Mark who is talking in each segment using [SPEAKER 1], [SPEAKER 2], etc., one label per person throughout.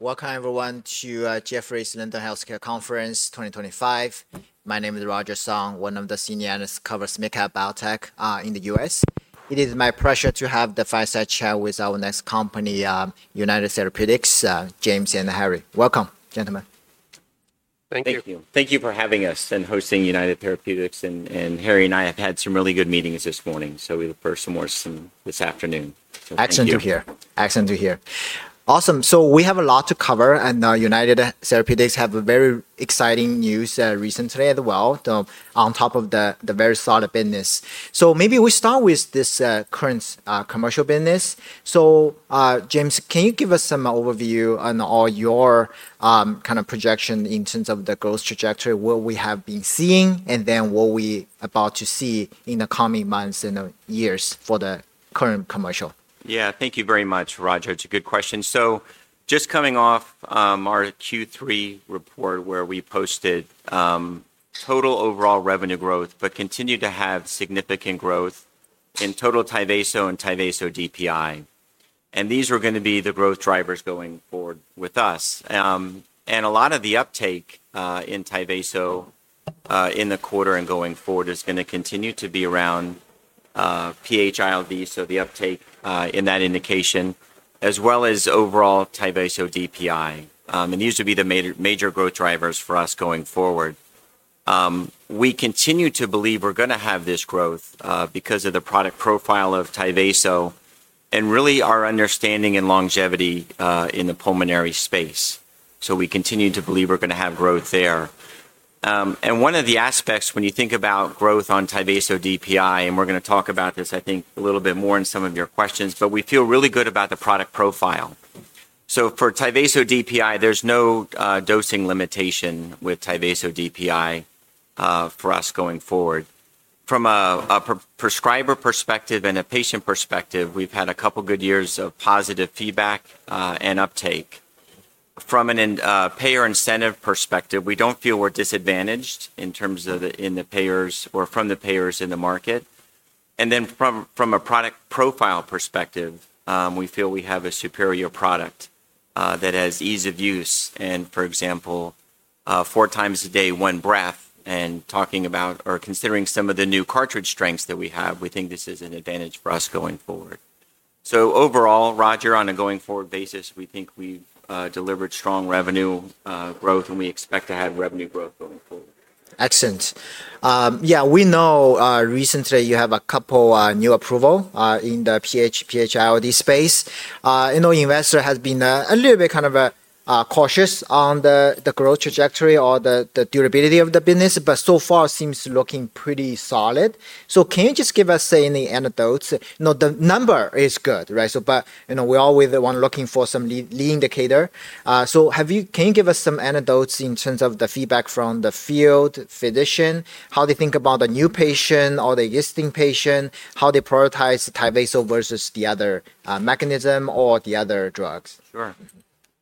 [SPEAKER 1] Welcome, everyone, to Jefferies Linden Healthcare Conference 2025. My name is Roger Song, one of the Senior Analysts who covers Mid-Cap Biotech in the U.S. It is my pleasure to have the fireside chat with our next company, United Therapeutics, James and Harry. Welcome, gentlemen.
[SPEAKER 2] Thank you.
[SPEAKER 3] Thank you. Thank you for having us and hosting United Therapeutics. Harry and I have had some really good meetings this morning, so we'll look forward to some more this afternoon.
[SPEAKER 1] Excellent to hear. Excellent to hear. Awesome. We have a lot to cover, and United Therapeutics have very exciting news recently as well on top of the very solid business. Maybe we start with this current commercial business. James, can you give us some overview on all your kind of projection in terms of the growth trajectory, what we have been seeing, and then what we are about to see in the coming months and years for the current commercial?
[SPEAKER 3] Yeah, thank you very much, Roger. It's a good question. Just coming off our Q3 report where we posted total overall revenue growth, but continue to have significant growth in total Tyvaso and Tyvaso DPI. These are going to be the growth drivers going forward with us. A lot of the uptake in Tyvaso in the quarter and going forward is going to continue to be around PH-ILD, so the uptake in that indication, as well as overall Tyvaso DPI. These will be the major growth drivers for us going forward. We continue to believe we're going to have this growth because of the product profile of Tyvaso and really our understanding and longevity in the pulmonary space. We continue to believe we're going to have growth there. One of the aspects when you think about growth on Tyvaso DPI, and we're going to talk about this, I think, a little bit more in some of your questions, but we feel really good about the product profile. For Tyvaso DPI, there's no dosing limitation with Tyvaso DPI for us going forward. From a prescriber perspective and a patient perspective, we've had a couple of good years of positive feedback and uptake. From a payer incentive perspective, we don't feel we're disadvantaged in terms of the payers or from the payers in the market. From a product profile perspective, we feel we have a superior product that has ease of use. For example, four times a day, one breath, and talking about or considering some of the new cartridge strengths that we have, we think this is an advantage for us going forward. Overall, Roger, on a going forward basis, we think we've delivered strong revenue growth, and we expect to have revenue growth going forward.
[SPEAKER 1] Excellent. Yeah, we know recently you have a couple of new approvals in the PH-ILD space. You know, investors have been a little bit kind of cautious on the growth trajectory or the durability of the business, but so far seems looking pretty solid. Can you just give us any anecdotes? The number is good, right? We are always the one looking for some lead indicator. Can you give us some anecdotes in terms of the feedback from the field physician? How they think about a new patient or the existing patient? How they prioritize Tyvaso versus the other mechanism or the other drugs?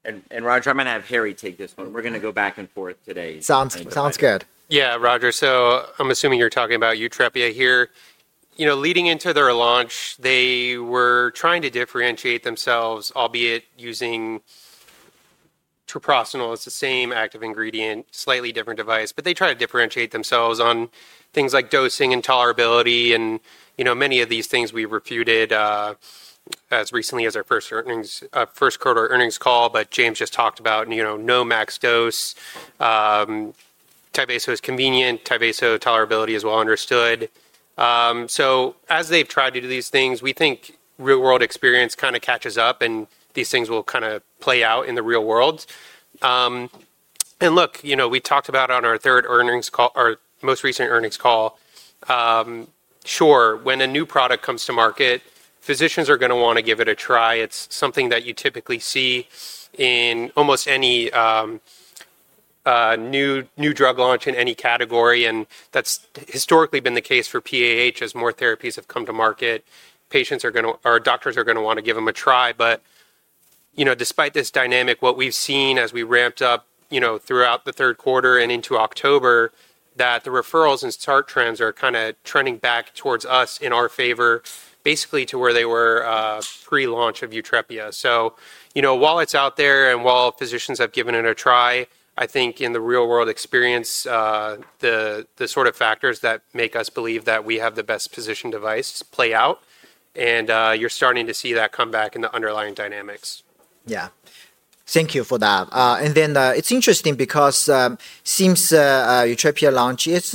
[SPEAKER 3] Sure. Roger, I'm going to have Harry take this one. We're going to go back and forth today.
[SPEAKER 1] Sounds good.
[SPEAKER 2] Yeah, Roger. I'm assuming you're talking about Yutrepia here. You know, leading into their launch, they were trying to differentiate themselves, albeit using treprostinil. It's the same active ingredient, slightly different device, but they try to differentiate themselves on things like dosing and tolerability. You know, many of these things we refuted as recently as our first quarter earnings call, but James just talked about, you know, no max dose. Tyvaso is convenient. Tyvaso tolerability is well understood. As they've tried to do these things, we think real-world experience kind of catches up, and these things will kind of play out in the real world. Look, you know, we talked about on our third earnings call, our most recent earnings call, sure, when a new product comes to market, physicians are going to want to give it a try. It's something that you typically see in almost any new drug launch in any category. That's historically been the case for PAH as more therapies have come to market. Patients are going to, or doctors are going to want to give them a try. You know, despite this dynamic, what we've seen as we ramped up, you know, throughout the third quarter and into October, is that the referrals and start trends are kind of trending back towards us in our favor, basically to where they were pre-launch of Yutrepia. You know, while it's out there and while physicians have given it a try, I think in the real-world experience, the sort of factors that make us believe that we have the best positioned device play out. You're starting to see that come back in the underlying dynamics.
[SPEAKER 1] Yeah. Thank you for that. It is interesting because it seems Yutrepia launch is,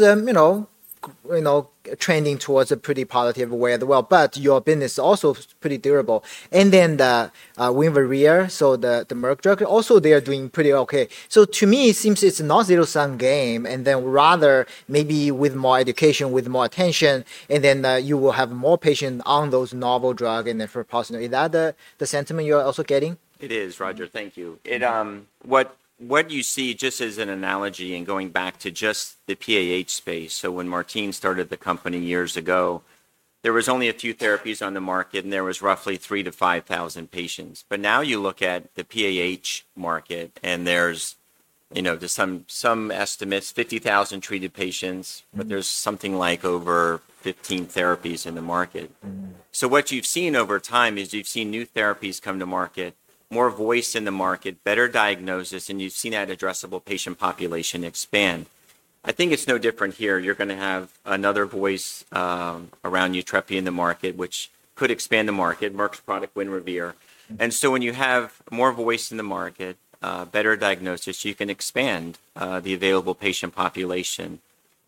[SPEAKER 1] you know, trending towards a pretty positive way as well. Your business is also pretty durable. WINREVAIR, so the Merck drug, also, they are doing pretty okay. To me, it seems it is not a zero-sum game, and rather maybe with more education, with more attention, you will have more patients on those novel drugs and then for positive. Is that the sentiment you are also getting?
[SPEAKER 3] It is, Roger. Thank you. What you see just as an analogy and going back to just the PAH space, when Martine started the company years ago, there were only a few therapies on the market, and there were roughly 3,000-5,000 patients. Now you look at the PAH market, and there is, you know, some estimates, 50,000 treated patients, but there is something like over 15 therapies in the market. What you have seen over time is you have seen new therapies come to market, more voice in the market, better diagnosis, and you have seen that addressable patient population expand. I think it is no different here. You are going to have another voice around Yutrepia in the market, which could expand the market, Merck's product WINREVAIR. When you have more voice in the market, better diagnosis, you can expand the available patient population.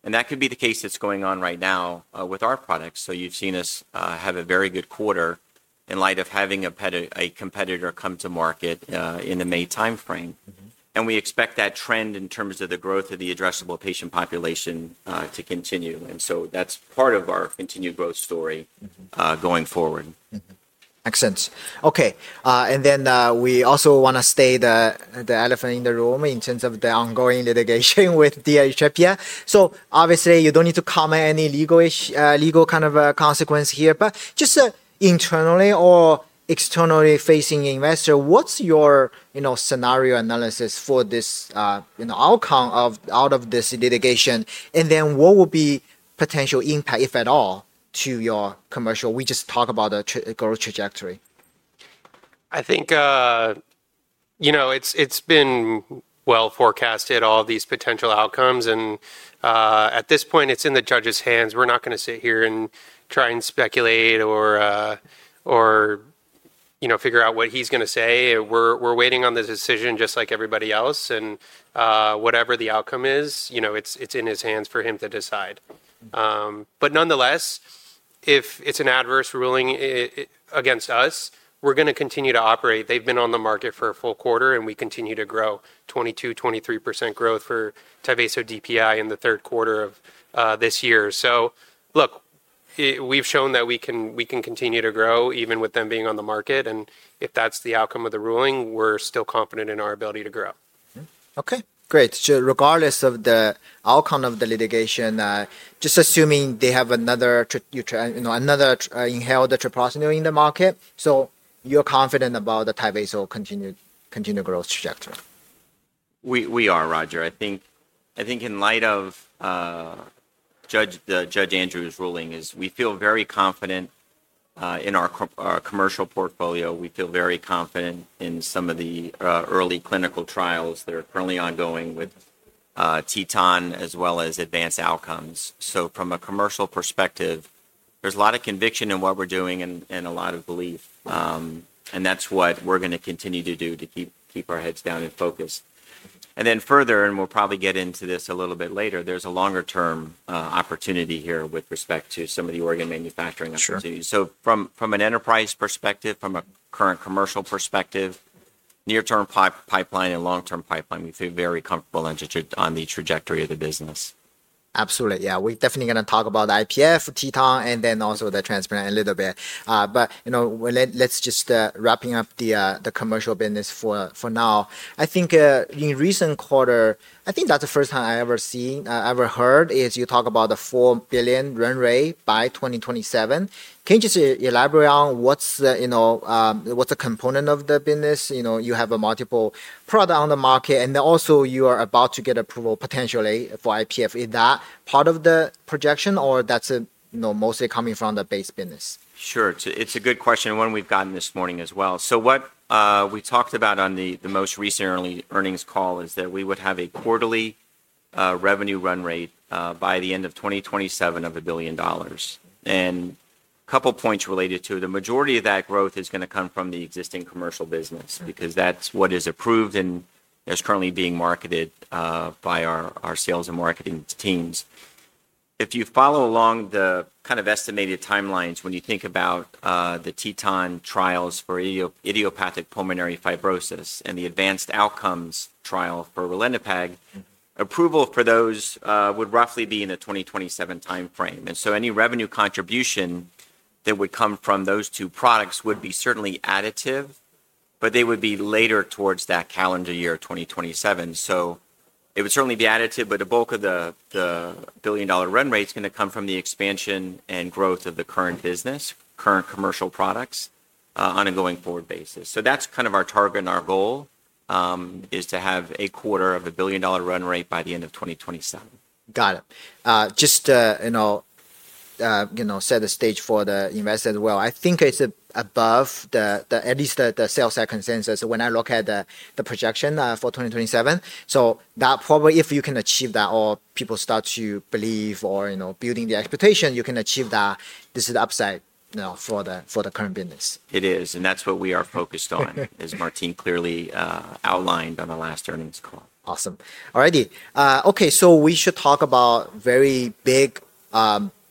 [SPEAKER 3] That could be the case that's going on right now with our products. You have seen us have a very good quarter in light of having a competitor come to market in the May timeframe. We expect that trend in terms of the growth of the addressable patient population to continue. That is part of our continued growth story going forward.
[SPEAKER 1] Excellent. Okay. We also want to state the elephant in the room in terms of the ongoing litigation with Yutrepia. Obviously, you do not need to comment any legal kind of consequence here, but just internally or externally facing investors, what is your scenario analysis for this outcome out of this litigation? What will be potential impact, if at all, to your commercial? We just talk about the growth trajectory.
[SPEAKER 2] I think, you know, it's been well forecasted, all these potential outcomes. At this point, it's in the judge's hands. We're not going to sit here and try and speculate or figure out what he's going to say. We're waiting on the decision just like everybody else. Whatever the outcome is, you know, it's in his hands for him to decide. Nonetheless, if it's an adverse ruling against us, we're going to continue to operate. They've been on the market for a full quarter, and we continue to grow 22%-23% growth for Tyvaso DPI in the third quarter of this year. Look, we've shown that we can continue to grow even with them being on the market. If that's the outcome of the ruling, we're still confident in our ability to grow.
[SPEAKER 1] Okay. Great. So regardless of the outcome of the litigation, just assuming they have another inhaled treprostinil in the market, so you're confident about the Tyvaso continued growth trajectory?
[SPEAKER 3] We are, Roger. I think in light of Judge Andrews' ruling, we feel very confident in our commercial portfolio. We feel very confident in some of the early clinical trials that are currently ongoing with TETON as well as Advanced Outcomes. From a commercial perspective, there's a lot of conviction in what we're doing and a lot of belief. That's what we're going to continue to do to keep our heads down and focused. Further, and we'll probably get into this a little bit later, there's a longer-term opportunity here with respect to some of the organ manufacturing opportunities. From an enterprise perspective, from a current commercial perspective, near-term pipeline and long-term pipeline, we feel very comfortable on the trajectory of the business.
[SPEAKER 1] Absolutely. Yeah. We're definitely going to talk about IPF, TETON, and then also the transplant a little bit. Let's just wrap up the commercial business for now. I think in recent quarter, I think that's the first time I ever heard is you talk about the $4 billion run rate by 2027. Can you just elaborate on what's a component of the business? You have multiple products on the market, and also you are about to get approval potentially for IPF. Is that part of the projection, or that's mostly coming from the base business?
[SPEAKER 3] Sure. It's a good question. One we've gotten this morning as well. What we talked about on the most recent earnings call is that we would have a quarterly revenue run rate by the end of 2027 of $1 billion. A couple of points related to it, the majority of that growth is going to come from the existing commercial business because that's what is approved and is currently being marketed by our sales and marketing teams. If you follow along the kind of estimated timelines, when you think about the TETON trials for idiopathic pulmonary fibrosis and the Advanced Outcomes trial for Ralinepag, approval for those would roughly be in the 2027 timeframe. Any revenue contribution that would come from those two products would be certainly additive, but they would be later towards that calendar year 2027. It would certainly be additive, but the bulk of the billion-dollar run rate is going to come from the expansion and growth of the current business, current commercial products on a going forward basis. That is kind of our target and our goal is to have a quarter of a billion-dollar run rate by the end of 2027.
[SPEAKER 1] Got it. Just to set the stage for the investors as well, I think it is above at least the sales circumstances when I look at the projection for 2027. That probably, if you can achieve that or people start to believe or building the expectation, you can achieve that. This is upside for the current business.
[SPEAKER 3] It is. That is what we are focused on, as Martine clearly outlined on the last earnings call.
[SPEAKER 1] Awesome. All righty. Okay. We should talk about a very big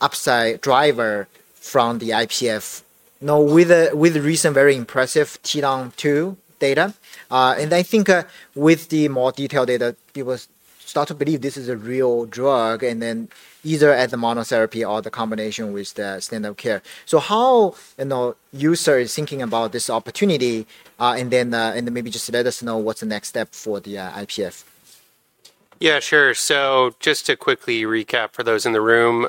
[SPEAKER 1] upside driver from the IPF with recent very impressive TETON 2 data. I think with the more detailed data, people start to believe this is a real drug and then either as a monotherapy or the combination with the standard of care. How is your team thinking about this opportunity and then maybe just let us know what's the next step for the IPF?
[SPEAKER 2] Yeah, sure. Just to quickly recap for those in the room,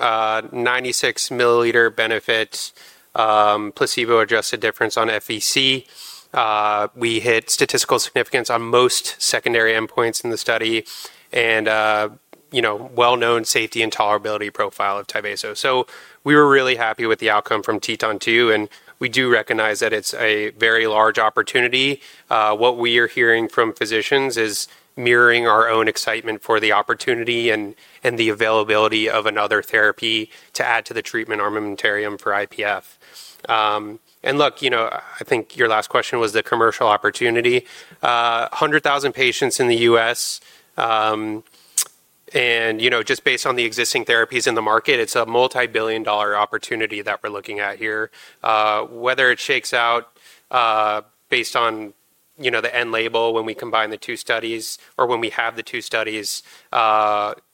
[SPEAKER 2] 96 ml benefit, placebo-adjusted difference on FVC. We hit statistical significance on most secondary endpoints in the study and well-known safety and tolerability profile of Tyvaso. We were really happy with the outcome from TETON 2, and we do recognize that it's a very large opportunity. What we are hearing from physicians is mirroring our own excitement for the opportunity and the availability of another therapy to add to the treatment armamentarium for IPF. Look, you know, I think your last question was the commercial opportunity. 100,000 patients in the U.S. And you know, just based on the existing therapies in the market, it's a multi-billion dollar opportunity that we're looking at here. Whether it shakes out based on the end label when we combine the two studies or when we have the two studies,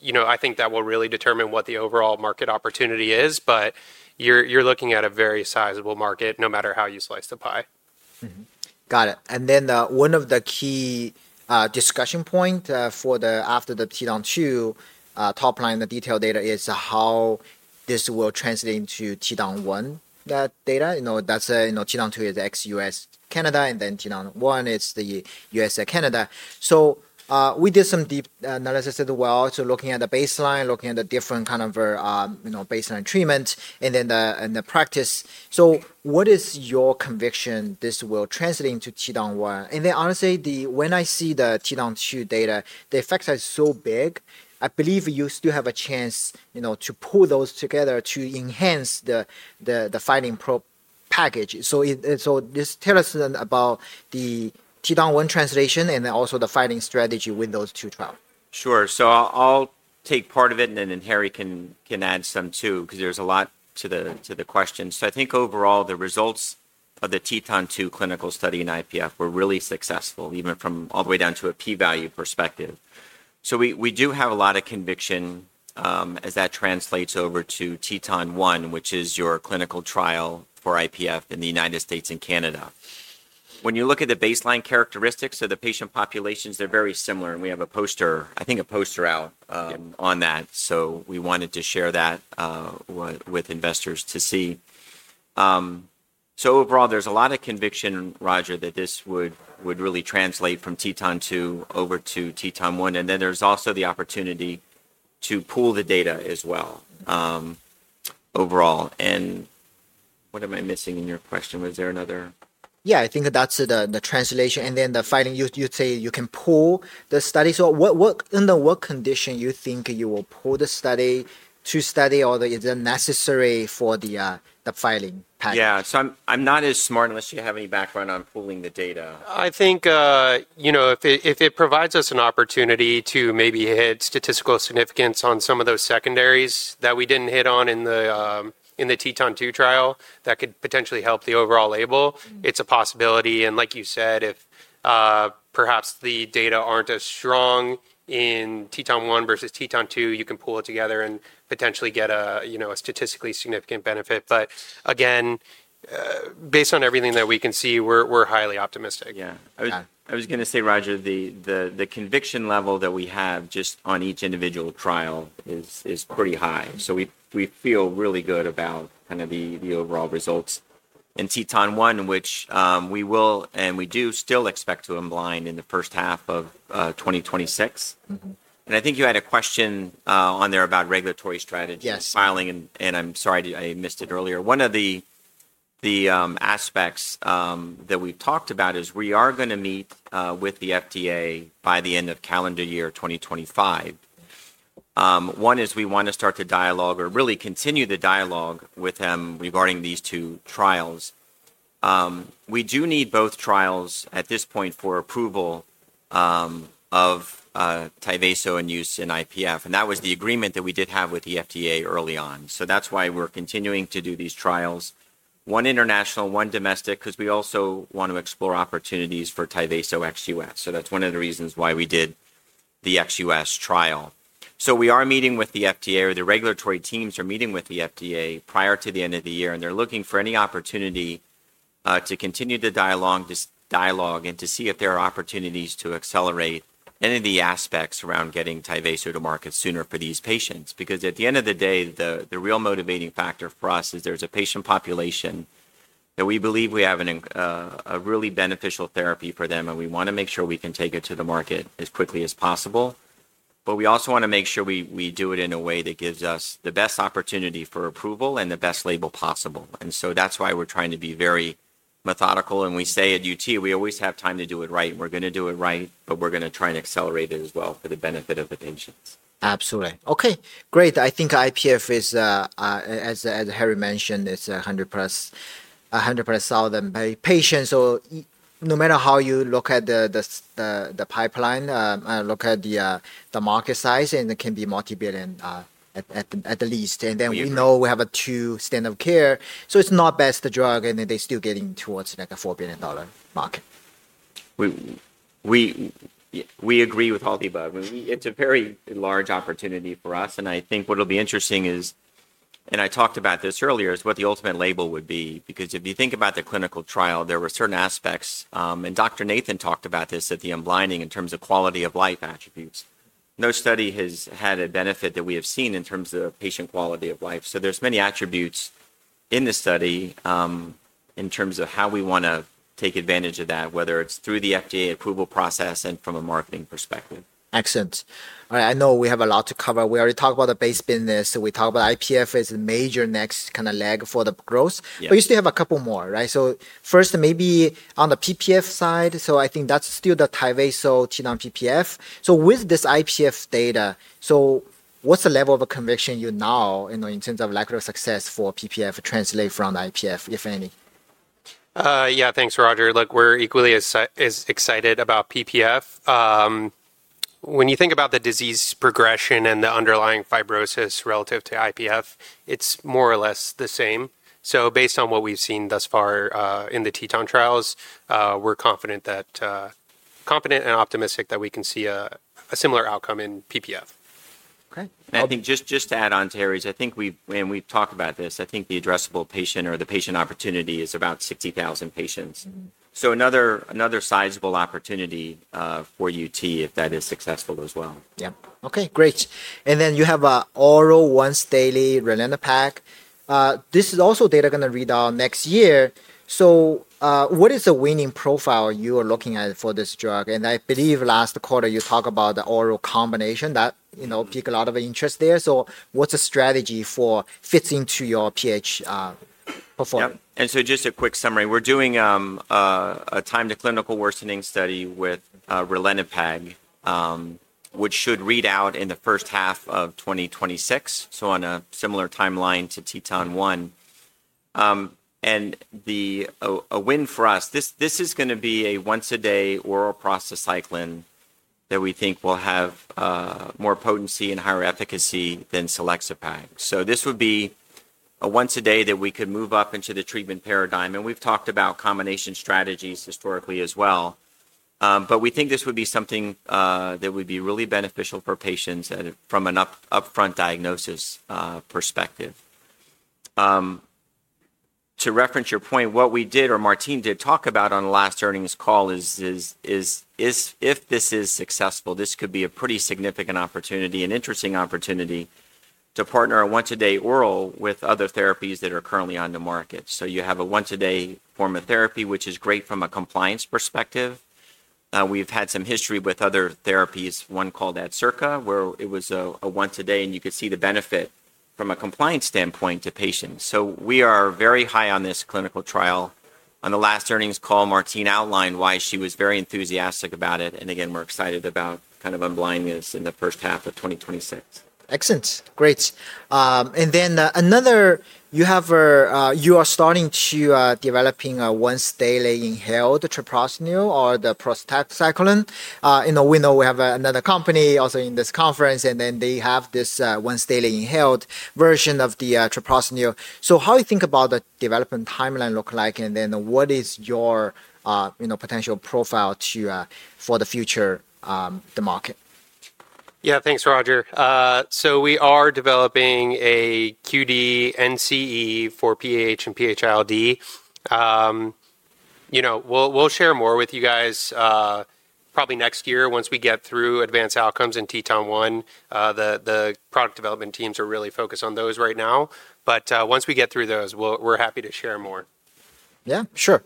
[SPEAKER 2] you know, I think that will really determine what the overall market opportunity is. You are looking at a very sizable market no matter how you slice the pie.
[SPEAKER 1] Got it. And then one of the key discussion points after the TETON 2 top line and the detailed data is how this will translate into TETON 1 data. You know, TETON 2 is ex-U.S. Canada, and then TETON 1 is the U.S.-Canada. So we did some deep analysis as well. So looking at the baseline, looking at the different kind of baseline treatment, and then the practice. So what is your conviction this will translate into TETON 1? And then honestly, when I see the TETON 2 data, the effects are so big, I believe you still have a chance to pull those together to enhance the filing package. So just tell us about the TETON 1 translation and then also the filing strategy with those two trials.
[SPEAKER 3] Sure. I'll take part of it, and then Harry can add some too because there's a lot to the question. I think overall, the results of the TETON 2 clinical study in IPF were really successful, even from all the way down to a p-value perspective. We do have a lot of conviction as that translates over to TETON 1, which is your clinical trial for IPF in the United States and Canada. When you look at the baseline characteristics of the patient populations, they're very similar. We have a poster, I think a poster out on that. We wanted to share that with investors to see. Overall, there's a lot of conviction, Roger, that this would really translate from TETON 2 over to TETON 1. There's also the opportunity to pull the data as well overall. What am I missing in your question? Was there another?
[SPEAKER 1] Yeah, I think that that's the translation. And then the fighting, you say you can pull the study. In what condition do you think you will pull the study to study, or is it necessary for the fighting package?
[SPEAKER 3] Yeah. I'm not as smart unless you have any background on pulling the data.
[SPEAKER 2] I think, you know, if it provides us an opportunity to maybe hit statistical significance on some of those secondaries that we did not hit on in the TETON 2 trial, that could potentially help the overall label, it is a possibility. And like you said, if perhaps the data are not as strong in TETON 1 versus TETON 2, you can pull it together and potentially get a statistically significant benefit. But again, based on everything that we can see, we are highly optimistic.
[SPEAKER 3] Yeah. I was going to say, Roger, the conviction level that we have just on each individual trial is pretty high. We feel really good about kind of the overall results. TETON 1, which we will and we do still expect to unblind in the first half of 2026. I think you had a question on there about regulatory strategy filing, and I'm sorry I missed it earlier. One of the aspects that we've talked about is we are going to meet with the FDA by the end of calendar year 2025. One is we want to start to dialogue or really continue the dialogue with them regarding these two trials. We do need both trials at this point for approval of Tyvaso and use in IPF. That was the agreement that we did have with the FDA early on. That's why we're continuing to do these trials, one international, one domestic, because we also want to explore opportunities for Tyvaso ex-U.S. That's one of the reasons why we did the ex-U.S. trial. We are meeting with the FDA, or the regulatory teams are meeting with the FDA prior to the end of the year, and they're looking for any opportunity to continue to dialogue and to see if there are opportunities to accelerate any of the aspects around getting Tyvaso to market sooner for these patients. Because at the end of the day, the real motivating factor for us is there's a patient population that we believe we have a really beneficial therapy for, and we want to make sure we can take it to the market as quickly as possible. We also want to make sure we do it in a way that gives us the best opportunity for approval and the best label possible. That is why we are trying to be very methodical. We say at UT, we always have time to do it right. We are going to do it right, but we are going to try and accelerate it as well for the benefit of the patients.
[SPEAKER 1] Absolutely. Okay. Great. I think IPF, as Harry mentioned, is 100,000 patients. No matter how you look at the pipeline, look at the market size, and it can be multi-billion at the least. We know we have two standard of care. It is not best drug, and they are still getting towards like a $4 billion market.
[SPEAKER 3] We agree with all the above. It is a very large opportunity for us. I think what will be interesting is, and I talked about this earlier, what the ultimate label would be. If you think about the clinical trial, there were certain aspects, and Dr. Nathan talked about this at the unblinding in terms of quality of life attributes. No study has had a benefit that we have seen in terms of patient quality of life. There are many attributes in the study in terms of how we want to take advantage of that, whether it is through the FDA approval process and from a marketing perspective.
[SPEAKER 1] Excellent. All right. I know we have a lot to cover. We already talked about the base business. We talked about IPF as a major next kind of leg for the growth. We still have a couple more, right? First, maybe on the PPF side. I think that's still the Tyvaso TETON PPF. With this IPF data, what's the level of conviction you now in terms of likelihood of success for PPF translate from IPF, if any?
[SPEAKER 2] Yeah, thanks, Roger. Look, we're equally as excited about PPF. When you think about the disease progression and the underlying fibrosis relative to IPF, it's more or less the same. Based on what we've seen thus far in the TETON trials, we're confident and optimistic that we can see a similar outcome in PPF.
[SPEAKER 3] Okay. I think just to add on to Harry's, I think we've talked about this. I think the addressable patient or the patient opportunity is about 60,000 patients. Another sizable opportunity for UT if that is successful as well.
[SPEAKER 1] Yeah. Okay. Great. You have an oral once-daily Ralinepag. This is also data going to read out next year. What is the winning profile you are looking at for this drug? I believe last quarter you talked about the oral combination that piqued a lot of interest there. What is a strategy for fits into your PAH performance?
[SPEAKER 3] Just a quick summary, we're doing a timed clinical worsening study with Ralinepag, which should read out in the first half of 2026, on a similar timeline to TETON 1. A win for us, this is going to be a once-a-day oral prostacyclin that we think will have more potency and higher efficacy than selexipag. This would be a once-a-day that we could move up into the treatment paradigm. We've talked about combination strategies historically as well. We think this would be something that would be really beneficial for patients from an upfront diagnosis perspective. To reference your point, what we did or Martine did talk about on the last earnings call is if this is successful, this could be a pretty significant opportunity and interesting opportunity to partner a once-a-day oral with other therapies that are currently on the market. You have a once-a-day form of therapy, which is great from a compliance perspective. We've had some history with other therapies, one called Adcirca, where it was a once-a-day, and you could see the benefit from a compliance standpoint to patients. We are very high on this clinical trial. On the last earnings call, Martine outlined why she was very enthusiastic about it. Again, we're excited about kind of unblinding this in the first half of 2026.
[SPEAKER 1] Excellent. Great. Another, you are starting to develop a once-daily inhaled treprostinil or the prostacyclin. We know we have another company also in this conference, and they have this once-daily inhaled version of the treprostinil. How do you think about the development timeline look like, and what is your potential profile for the future of the market?
[SPEAKER 2] Yeah, thanks, Roger. We are developing a QD NCE for PAH and PH-ILD. We'll share more with you guys probably next year once we get through Advanced Outcomes in TETON 1. The product development teams are really focused on those right now. Once we get through those, we're happy to share more.
[SPEAKER 1] Yeah, sure.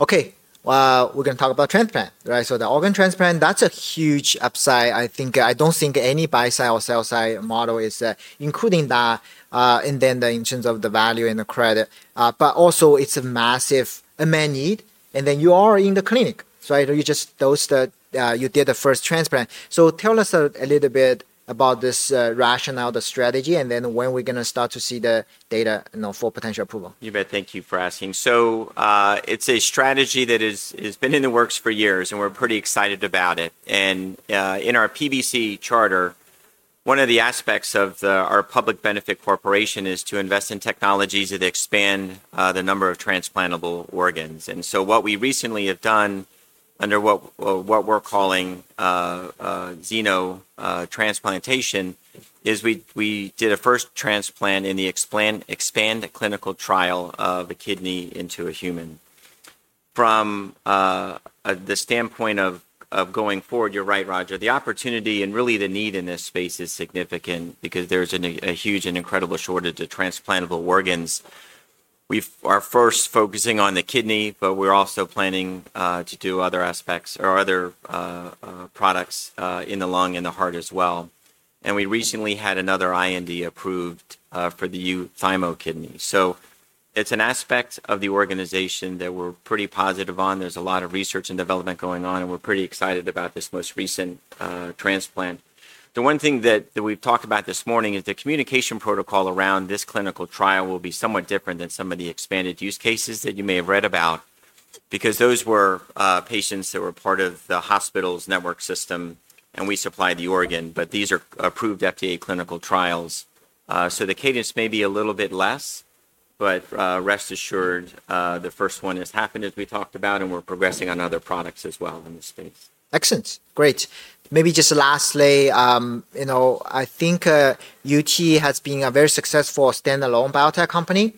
[SPEAKER 1] Okay. We're going to talk about transplant, right? The organ transplant, that's a huge upside. I don't think any buy-side or sell-side model is including that, in terms of the value and the credit. Also, it's a massive man need, and you are in the clinic, right? You just did the first transplant. Tell us a little bit about this rationale, the strategy, and when we're going to start to see the data for potential approval.
[SPEAKER 3] You bet. Thank you for asking. It's a strategy that has been in the works for years, and we're pretty excited about it. In our PBC charter, one of the aspects of our public benefit corporation is to invest in technologies that expand the number of transplantable organs. What we recently have done under what we're calling xenotransplantation is we did a first transplant in the EXPAND clinical trial of a kidney into a human. From the standpoint of going forward, you're right, Roger. The opportunity and really the need in this space is significant because there's a huge and incredible shortage of transplantable organs. We are first focusing on the kidney, but we're also planning to do other aspects or other products in the lung and the heart as well. We recently had another IND approved for the Thymo Kidney. It is an aspect of the organization that we're pretty positive on. There's a lot of research and development going on, and we're pretty excited about this most recent transplant. The one thing that we've talked about this morning is the communication protocol around this clinical trial will be somewhat different than some of the expanded use cases that you may have read about because those were patients that were part of the hospital's network system, and we supplied the organ. These are approved FDA clinical trials. The cadence may be a little bit less, but rest assured, the first one has happened as we talked about, and we're progressing on other products as well in this space.
[SPEAKER 1] Excellent. Great. Maybe just lastly, I think UT has been a very successful standalone biotech company.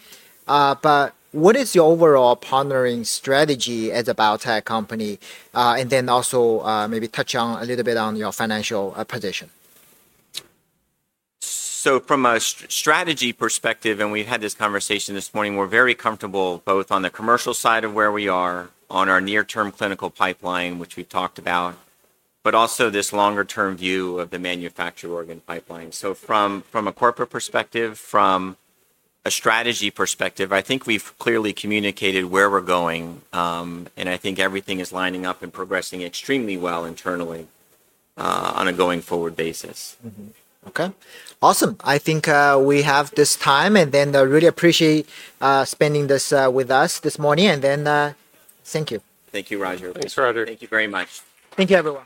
[SPEAKER 1] What is your overall partnering strategy as a biotech company? Also maybe touch on a little bit on your financial position.
[SPEAKER 3] From a strategy perspective, and we've had this conversation this morning, we're very comfortable both on the commercial side of where we are on our near-term clinical pipeline, which we've talked about, but also this longer-term view of the manufactured organ pipeline. From a corporate perspective, from a strategy perspective, I think we've clearly communicated where we're going, and I think everything is lining up and progressing extremely well internally on a going-forward basis.
[SPEAKER 1] Okay. Awesome. I think we have this time, and then I really appreciate spending this with us this morning. Thank you.
[SPEAKER 3] Thank you, Roger.
[SPEAKER 2] Thanks, Roger.
[SPEAKER 3] Thank you very much.
[SPEAKER 1] Thank you, everyone.